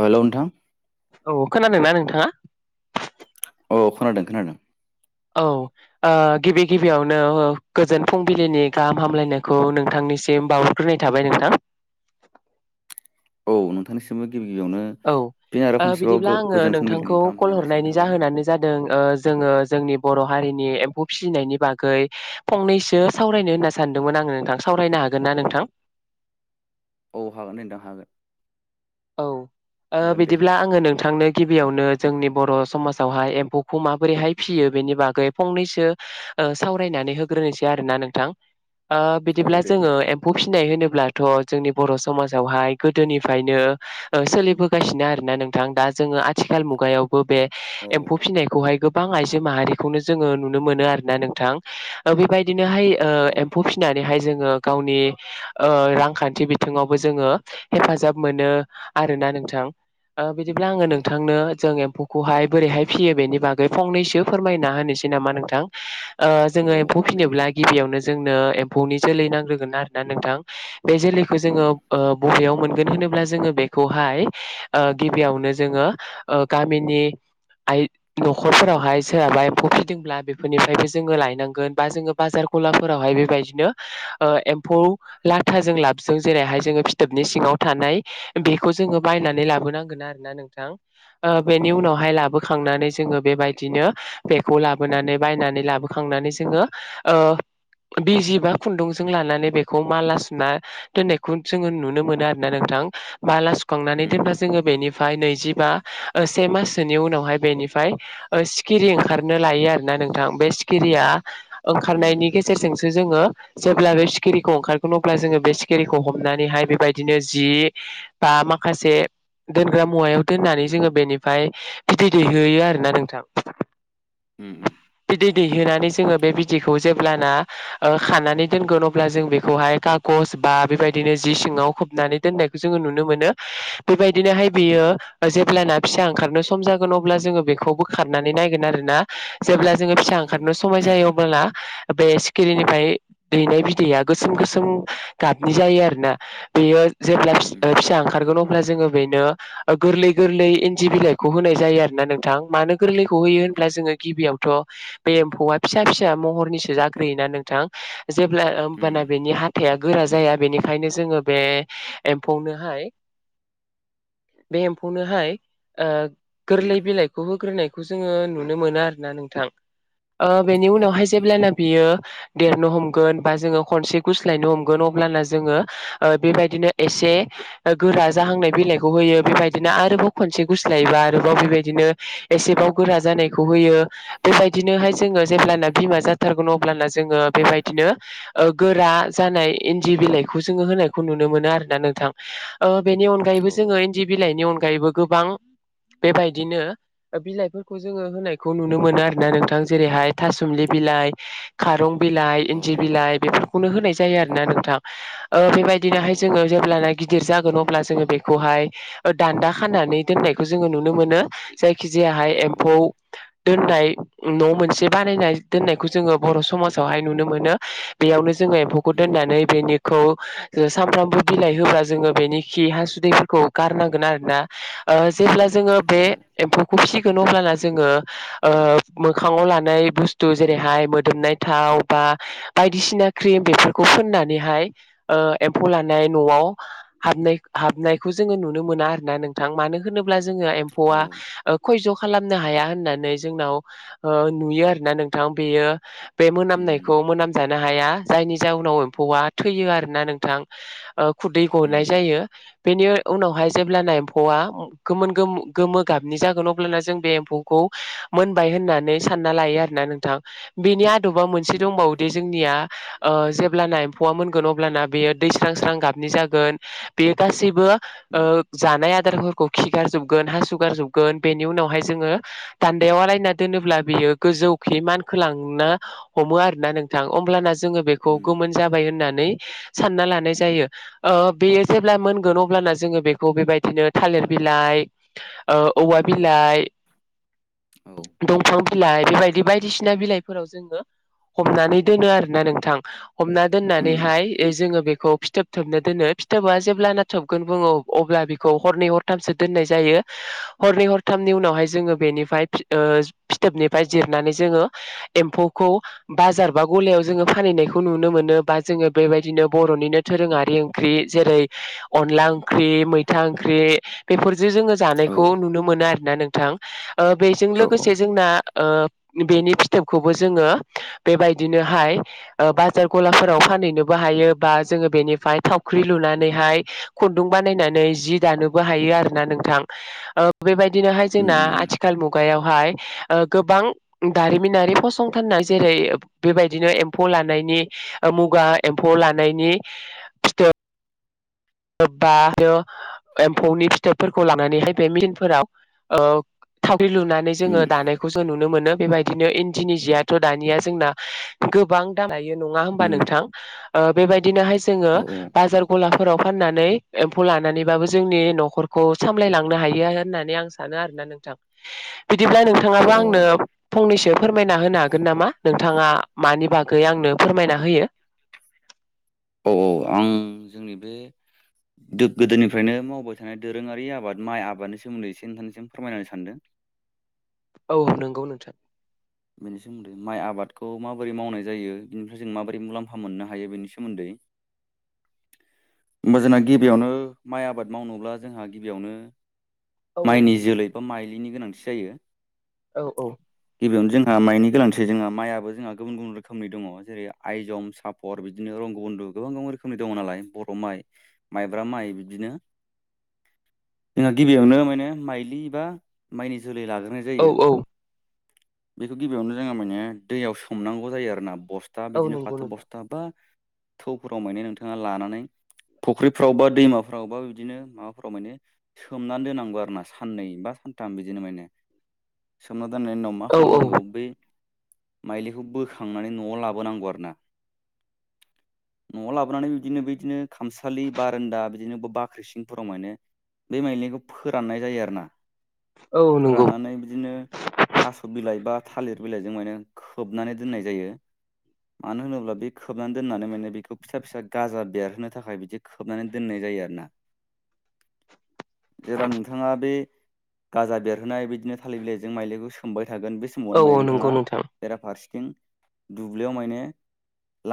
Hello नोंथां औ खोनादों ना नोंथांङा औ खोनादों खोनादों औ गिबि गिबियावनो गोजोन फुंबिलिनि गाहाम हामलायनायखौ नोंथां निसिम बावहरग्रोनाय थाबाय नोंथां औ नोंथांनिसिमबो गिबि गिबियावनो औ फिन आरो खनसेबाव गो बिदिब्ला आंङो गोजोन फुंबिलिनि नोंथांखौ गाहाम कल हामलायनाय जासिहरनाय हरनायनि थाबाय जाहोनानो जादों जोंङो जोंनि बर' हारिनि एम्फौ फिसिनायनि बागै फंनैसो सावरायनो होनना सानदोंमोन आंङो नोंथां सावरायनो हा हागोन ना नोंथां औ हागोन नोंथां हागोन औ हागोन दे बिदिब्ला आंङो नोंथांनो गिबियावनो जोंनि बर' समाजावहाय एम्फौखौ माबोरैहाय फियो बेनि बागै फंनैसो सावरायनानै होग्रोनोसै आरोना नोंथां औ बिदिब्ला दे दे जोङो एम्फौ फिसिनाय होनोब्लाथ' जोंनि बर' समाजावहाय गोदोनिफ्रायनो सोलिबोगासिनो आरो ना नोंथां दा जोङो आथिखाल मुगायाव बे औ एम्फौ फिसिनायखौहाय गोबां आइजो माहारिखौनो जोङो नुनो मोनो आरोना नोंथां बेबायदि बिदिनो हाय औ एम्फौ फिसिनानैहाय जों जोङ गावनि रांखान्थि बिथिङावबो जोङो हेफाजाब मोनो आरोना नोंथां बिदिब्ला आङो औ नोंथांनो जों एखौहाय बोरैहाय फियो बेनि बागै फंनैसो फोरमायना होनोसै नामा नोंथां औ जोङो एम्फौ हागोन दे नोंथां फिनोब्ला गिबियावनो जोंनो एम्फौनि जोलै नांग्रोगोन आरोोना नोंथां बे जोलैखौ उम जोङो बबेयाव मोनगोन होन होन्ला जोङो बेखौहाय गिबियावनो जोङो गामिनि आइ न'खरफोरावहाय सोरहाबा एम्फौ फिदोंब्ला बेफोरनिफ्रायबो जोङो लायनांगोन बा जोङो बाजार ला फोरावहाय बेबायदिनो फ लाथाजों लाबजों जेरैहाय जोङो फिथोबनि सिङाव थानाय बेखौ जोङो बायनानै लाबोनांगोन आरो ना नोंथां बेनि औ उनावहाय लाबोखांनानै जोङो बेबायदि बिदिनो बेखौ लाबोनानै बायनानै लाबोखांनानै जोङो बिजि बा खुन्दुंजों लानानै बेखौ माला सुना दोननायखौ जोङो नुनो मोनो आरो ना नोंथां बाला सुखांनानै उम दोनब्ला जोङो बेनिफ्राय नै जिबा से माससोनि उनावहाय बेनिफ्राय सिखिरि ओंखारनो लायो आरोना नोंथां बे सिखिरिया उम ओंखारनायनि गेजेरजोंसो जोङो जेब्ला बे सिखिरिखौ ओंखारगोन अब्ला जोङो बे सिखिरिखौ हमनानैहाय बेबायदिनो जि बा माखासे दोनग्रा मुवायाव दोननानै जोङो बेनिफ्राय फिथै दैहोयो आरोना नोंथां उम उम बिदै होनानै जोङो बे बिदैखौ जेब्लाना खानानै दोनगोन अब्ला जों बेखौहाय खागस बा बेबायदिनो जिङाव खोबनानै दनायखौ जो नुनो मोनो बेबायदिनोहाय बेयो जेब्लाना फिसा ओंखारनो सम जागोन अब्ला जोङो बेखौ बोखारनानै नायगोन आरो ना जेब्ला जोङो फिसा औ ओंखारनो समाय जायो अब्ला बे सिखिरिनिफ्राय दैनाय बिदैया गोसोम गोसोम गाबनि जायो आरोोना बेयो जेब्ला उम फिसा ओंखारगोन न' जो बेनो गोरलै गोरलै इन्दि बिलाइखौ होनाय जायो आरोना नोंथां मानो गोरलैखौ होयो होनब्ला जोङो गिबियावथ' बे एम्फौआ फिसा फिसा महरनिसो जाग्रोयोना नोंथां जेब्ला उम होमबाना बेनि हाथाइा गोरा जाया बेनिखायनो जोङो बे एम्फौनोहाय बे एम्फौनोहाय गोरलै उम बिलाइखौ होग्रोनायखौ जोङो नुनो मोना आरो ना नोंथां बेनि औ औ उनावहाय जेब्लाना बियो देरनो हमगोन बा जोङो खनसे गुस्लायनो हमगोन अब्लाना जोङो बेबायदिनो एसे गोरा जाहांनाय बिलाइखौ होयो बेबायदिनो आरोबाव खनसे गुस्लायोबा आरोबाव बेबायदिनो एसेबाव गोरा जानायखौ होयो बेबायदिनोहाय जोङो जेब्लाना बिमा जाथारगोन अब्लाना जोङो बेबायदिनो गोरा जानाय इन्दि बिलाइखौ जो होनायखौ नुनो मोन आरोना नोंथां बेनि औ अनगायबो जोङो इन्दि बिलाइनि अनगायै अनगायैबो गोबां बेबायदिनो बिलाइफोरखौ जोङो होनायखौ नुनो मोन आरोना नोंथां जेरैहाय था थुमलि बिलाइ खारं बिलाइ इन्दि बिलाइ बेफोरखौनो होनाय जायो आरोना नोंथां औ बेबायदिनोहाय जोङो जेब्लाना गिदिर जागोन अब्ला जो बेखौहाय दान्दा खानानै दोननायखौ जोङो नुनो मोनो जाय खिजाया एम्फौ दोननाय न' मोनसे बानायनाय दोननायखौ जोङो बर' समाजावहाय नुनो मोनो बेयावनो जोङो एम्फौखौ उम दोननानै बेनिखौ सानफ्रामबो बिलाइ होब्ला जोङो बेनिखि हासुदैफोरखौ गारनांगोन आरोना ओ जेब्ला जोङो औ बे एम्फौखौ फिसिगोन अब्लाना जोङो ओ मोखाङाव लानाय बुस्थु जेरैहाय मोदोमनाय थाव बा बायदिसिना क्रिम बेफोरखौ फनानैहाय ओ एम्फौ लानाय न'आव हाबनाय हाबनायखौ जोङो नुनो मोना आरोना नोंथां मानो होनोब्ला जोङो औ एम्फौआ उम खय ज' खालामनो हाया होननानै नै जोंनाव ओ नुयो आरो ना नोंथां बेयो बे उम मोनामनायखौ मोनामजानो हाया जायनि जाहनाव एम्फौआ थैयो आरोना नोंथां खुदै गनाय उम जायो बेनि उनावहाय जेब्लाना एम्फौआ गोमोन गो गोमो गाबनि जागोन अब्लाना जों बे एम्फौखौ मोनबाय होननानै सानना लायो आरोना नोंथां बेनि आ दबा मोनसे उम दंबावोदि जोंनिया ओ जेब्लाना एम्फौआ मोनगोन अब्लाना बेयो दै स्रां स्रां गाबनि जागोन बे गासैबो ओ जानाय आ आदारफोरखौ खि गारजोबगोन हासु गारजोबगोन बेनि उनावहाय जोङो दान्दायाव आलायना दोनोब्ला बियो गोजौखि मानखोलांनो हमो आरोना नोंथां होमब्लाना जोङो बेखौ उम गोमोन जाबाय होननानै सानना लानाय जायो ओ बे जेब्ला मोनगोन उम अब्लाना जोङो बेखौ बेबायदि बिदिनो थालिर बिलाइ ओ औवा बिलाइ औ दंफां बिलाइ बेबायदि बायदिसिना बिलाइफोराव जोङो हमनानै दोनो आरोना नोंथां हमना उम दोननानैहाय ओ जोङो बेखौ फिथोब थोबनो दोनो फिथोबा जेब्ला नाथबगोन बुङो अब्ला बेखौ हरनै हरथामसो दोननाय जायो हरनै हरथाम नि उनावहाय जोङो बेनि ओ फिथोबनिफ्राय जिरनानै जोङो एम्फौखौ बाजार बा गलायाव जोङो फालिनायखौ नुनो मोनो बा जोङो बेबायदिनो बर'निनो दोरोङारि ओंख्रि जेरै अनला ओं ख्रि मैथा ओंख्रि बेफोरजों जोङो औ जानायखौ नुनो मोनो आरोना नोंथां ओ बेजों औ उम लोगोसे जोंना ओ बेनि फिथोबखौबो जोङो बेबायदिनोहाय बाजार ओ गलाफोराव फा फानहैनोबो हायो बा जोङो बेनिफ्राय थावख्रि लुनानैहाय खुन्दुं बानायनानै जि दानो बो हायो आरोना नोंथां ओ बेबायदिनो हाय जोंना उम उम आथिखाल मुगायावहाय गोबां दारिमिनारि फसंथाननाय जेरै बेबायदिनो एम्फौ लानायनि ओ मुगा एम्फौ लानायनि फिथो बा आरो एम्फौनि फिथोबफोरखौ लानानैहाय बे मेचिनफोराव ओ थावख्रि लुनानै जोङो उम दानायखौ जों नुनो मोनो बेबायदिनो इन्दिनि जियाथ' दानिया जोंना गोबां दाम लायो नङा होमबा उम नोंथां ओ बेबायदिनो हाय जोङो औ बाजार गलाफोराव फाननानै एम्फौ लानानैबाबो जोंनि न'खरखौ सामलायलांनो हायो होननानै आं सानो आरोना नों थां बिदिब्ला नोंथाङाबो आंनो औ फंनैसो फोरमायना होनो हा गोन नामा नोंथाङा मानि बागै आंनो फोरमायना होयो औ औ आं जोंनि बे गोदोनिफ्रायनो मावबाय थानाय दोरोङारि आबाद माइ आबादनि सोमोन्दै एसे नोंथांनिसिम फोरमायनो सानदों औ नंगौ नोंथां बेनि सोमोन्दै माइ आबादखौ माबोरै मावनाय जायो बेनिफ्राय जों माबोरै मुलाम्फा मोननो हायो बेनि सोमोन्दै [unintelligible] होमबा जोंना गिबियावनो माइ आबाद मावनोब्ला जोंहा गिबियावनो औ औ माइनि नंगौ जोलै नोंथां बा माइलिनि गोनांथि जायो औ औ गिबियावनो जोंहा माइनि गोनांथि जोंहा माइयो जोंहा गुबुन गुबुन रोखोमनि दङ जेरै आइजं सापर बिदिनो बं ब' गोबां गोबां रोखोमनि दङ नालाय बर' माइ माइब्रा माइ बिदिनो जोंहा गिबियावनो माने माइलि बा माइनि जोलै लाग्रोनाय औ जायो बेखौ गिबियावनो जोंहा माने दैयाव सोमनांगौ जायो आरोना बस्था औ बिदिनो नंगौ फाथो नोंथां बस्था बा थौफोराव माने नोंथाङा लानानै फुख्रिफ्राव बा दैमाफ्रावबा बिदिनो माबाफोराव माने सोमनानै दोननांगौ आरो ना साननै बा सानथाम बिदिनो माने सोमना दोननायनि उनाव मा औ औ खालामनांगौ बै माइजुलिखौ बोखांनानै न'आव लाबोनांगौ आरोना न'आव लाबोनानै बिदिनो बेदिनो खामसालि बारान्दा बिदिनो बाख्रि सिंफोराव मे बे बादिनो फोराननाय जायो आरोना औ नंगौ फोराननानै बिदिनो थास' बिलाइ बा थालिर बिलाइजों माने खोबनानै दोननाय जायो मानो होनोब्ला बे खोबनानै दोननानै माने बेखौ फिसा फिसा गाजा बेरहोनो थाखाय बिदि खोबनानै दोननाय जायो आरोना जेब्ला नोंथाङा बे गाजा बेरहोनाय बिदिनो थालिर बिलाइजों माइजुलिखौ खोबाय थागोन बे औ समावनो औ माने नंगौ नोंथाङा नोंथां बेरा फारसेथिं दुब्लियाव माने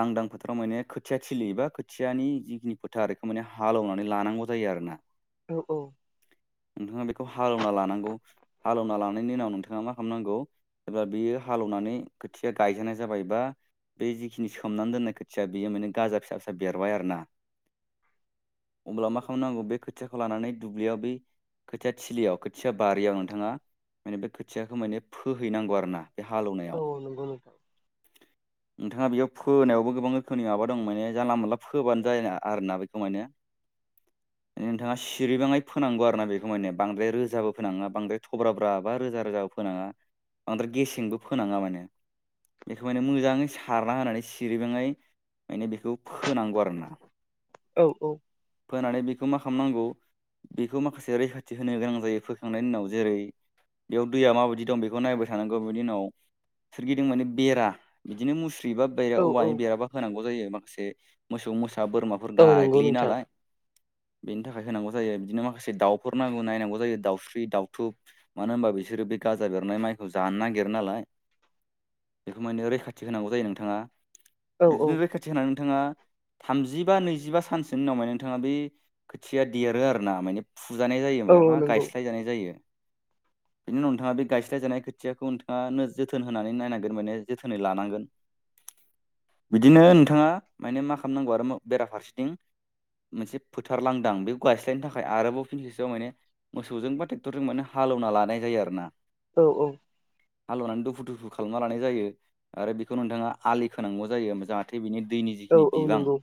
लांदां फोथाराव माने खोथिया थिलि एबा खोथियानि जिखिनि फोथारखो माने हालेवनानै लानांगौ जायो आरो ना औ औ नोंथाङा बेखौ हालेवना लानांगौ हालेवना लानायनि उनाव नोंथाङा मा खालामनांगौ जेब्ला बियो हालौवनानै खोथिया गायजानाय जाबाय बा बे जिखिनि सोमनानै दोननाय खोथिया बेयो माने गाजा फिसा फिसा बेरबाय आरो ना औ अब्ला मा खालामनांगौ बे खोथियाखौ लानानै दुब्लियाव बै खोथिया थिलियाव खोथिया बारियाव नोंथाङा माने बे खोथियाखौ माने फोहैनांगौ आरो ना बे हालेवनायाव थ [inaudible] नोंथाङा बेयाव फोनायावबो गोबां रोखोमनि माबा दं माने जानला मोनला फोबानो जाया ना आरो ना बेखौ माने [inaudible] नोंथाङा सिरिबाङै फोनांगौ आरो ना बे माने बांद्राय रोजाबो फोनाङा बां थोब्रा ब्रा बा रोजा रोजा फोनाङा बांद्राय गेसेंबो फोनाङा माने बेखौ माने मोजाङै सारना होनानै सिरिबङै माने बेखौ फोनांगौ आरोना औ औ नानै बेखौ मा खालामनांगौ बेखौ माखासे रैखाथि होनो गोनां जायो फोखांनायनि उनाव जेरै बेयाव दैया माबायदि दं बेखौ नायबाय थानांगौ बेनि उनाव सोरगिदिं माने बेरा बिदिनो मुस्रि औ औवानि बेरामफो होनांगौ जायो मोसौ मोसाफोर औ नंगौ गाय्लियो नोंथां नालाय [inaudible] बेनि थाखाय होनांगौ जायो बिदिनो माखासे दाउफोर नांगौ नायनांगौ जायो दाउस्रि दाउथुब मानो होनबा बिसोरो बे गाजा बेरनाय माइखौ जानो नागिरो नालाय [inaudible] बेखौ माने रैखाथि होनांगौ जायो नोंथाङा औ औ बिदिनो रैखाथि होनानै नोंथाङा थामजि बा नैजिबा सानसोनि उनाव माने नोंथाङा बे खोथिया देरो आरो ना माने फुजानाय जायो औ माने नंगौ गायस्लाय जानाय जायो [inaudible] बिनि उनाव नोंथाङा बे गायस्लाय जानाय खोथियाखौ नोंथाङा जोथोन होनानै नायनांगोन माने जोथोनै लानांगोन। [inaudible] बिदिनो नोंथाङा माने मा खालामनांगौ आरो बेराफारसेथिं मोनसे फोथार लांदां बेखौ गायस्लायनो थाखाय आरोबाव फिसआव माने मोसौजों बा ट्रेक्टरजों माने हालौना लानाय जायो आरो ना औ औ हालौनानै दुफु दुफु खालामना लानाय जायो आरो बेखौ नोंथाङा आलि खोनांगौ जायो जाहाथे बिनि दैनि जिखिनि औ औ बिबां नंगौ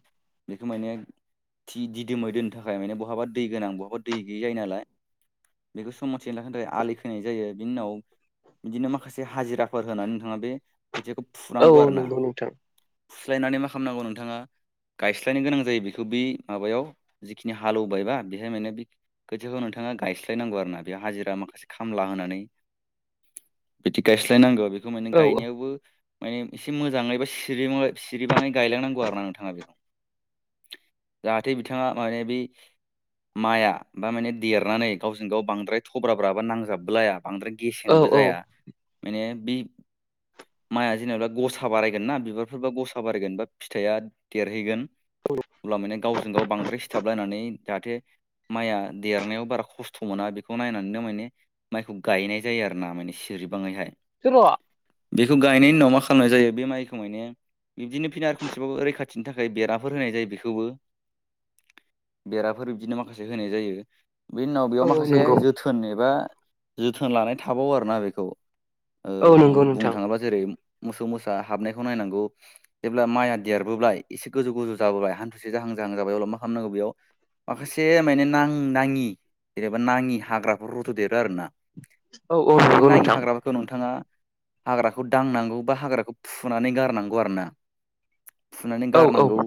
बेखौ माने थि दिदोमै दोननो थाखाय माने बहाबा दै गोनां बहाबा दै गैयै जायो नालाय। बेखौ [unintelligible] थाखाय आलि खोनाय जायो बिनि उनाव बिदिनो माखासे हाजिराफोर होनानै नोंथाङा बे खोथियाखौ औ फुनांगौ औ आरो ना नंगौ नोंथां फुस्लायनानै मा खालामनांगौ नोंथाङा गायस्लायनो गोनां जायो बेखौ बे माबायाव जिखिनि हालेवबायबा बेहाय माने बे खोथियाखौ नोंथाङा गायस्लायनांगौ आरो ना बे हाजिरा माखासे खामला होनानै बिदि गायस्लायनांगौ बेखौ माने औ गायनायावबो माने एसे मोजाङै बा सिरिबाङै गायलांनांगौ आरो ना नोंथाङा बेखौ। [inaudible] जाहाथे बिथाङा माने बै माइआ बा माने देरनानै गावजों गाव बांद्राय थब्राब्रा बा नांजाबलाया। बांद्राय औ गेसेंबो औ जाया माने बे माइआ जेनेबा गसा बारायगोन ना बिबारफोरबा गसा बारायगोन बा फिथाइआ देर हैगोन अब्ला माने गावजों गाव बांद्राय सिथाबलायनानै जाहाथे माइया देरनायाव बारा खस्थ' मोना बेखौ नायनानैनो माने माइखौ गायनाय जायो। [unintelligible] सिरि माने सिरिबाङैहाय [unintelligible] बेखौ गायनायनि उनाव मा खालामनाय जायो बे माइखौ मायने बिब्दिनो फिन आरो खनसेबाबो रैखाथि खाथिनि थाखाय बेराफोर होनाय जायो बेखौबो। बेराफोर बिदिनो माखासे होनाय जायो। बेनि उनाव बेयाव औ माखासे नंगौ जोथोन एबा जोथोन लानाय थाबावो आरोना बेखौ। ओ औ नंगौ बुंनो नोंथां थाङोबा जेरै मोसौ मोसा हाबनायखौ नायनांगौ जेब्ला माइआ देरबोबाय एसे गोजौ गोजौ जाबोबाय हान्थुसे जाहां जाहां जाबाय अब्ला मा खालामनांगौ बेयाव माखासे माने नां नाङि जेनेबा नाङि हाग्राफोरखौ रजदेरो आरो ना औ औ बे नंगौ नाङि नोंथां हाग्राफोरखौ नोंथाङा हाग्राखौ दांनांगौ बा हाग्राखौ फुनानै गारनांगौ आरोना। फुनानै औ औ गारनांगौ।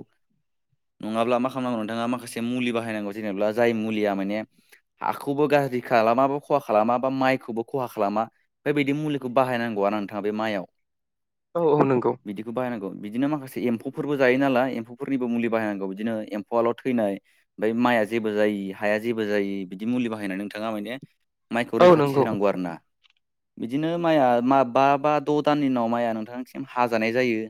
नङाब्ला मा खालामनांगौ नोंथाङा माखासे मुलि बाहायनांगौ जेनेबा जाय मुलिया माने हाखौबो गा ज्रि खालामा बा खहा खालामा बा माइखौबो खहा खालामा बेबायदि मुलिखौ बाहायनांगौ आरोना नोंथाङा बे माइआव। [inaudible] औ नंगौ बिदिखौ बाहायनांगौ बिदिनो माखासे एम्फौ फोरबो जायो नालाय एम्फौफोरनिबो मुलि बाहायनांगौ बिदिनो एम्फौआल' थैनाय माइआ जेबो जायि हाया जेबो जायि बिदि मुलि बाहायनानै नोंथाङा माने माइखौ औ रैखाथि नंगौ होनांगौ आरो ना। बिदिनो माइआ बा बा द' दाननि उनाव माइया नोंथांसिम हाजानाय जायो।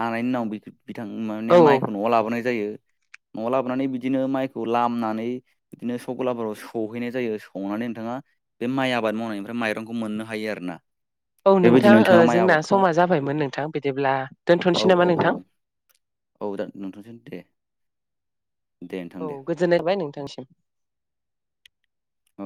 हानायनि उनाव बिथां माने औ औ माइखौ न'आव लाबोनाय जायो। [inaudible] न'आव लाबोनानै बिदिनो माइखौ लामनानै बिदिनो स गलाफोराव सौहैनाय जायो सौनानै नोंथाङा बे माइ आबाद मावनायनिफ्राय माइरंखौ मोननो हायो आरोना। औ बेबायदि नोंथां ओ नोंथाङा माइ जोंना आबादखौ समा जाबायमोन नोंथां बिदिब्ला औ दोनथ'नोसै औ नामा औ नोंथां? औ दा [unintelligible] दे दे नोंथां औ दे गोजोननायबाय नोंथांसिम। औ